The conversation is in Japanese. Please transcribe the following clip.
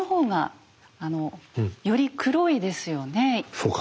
そうか。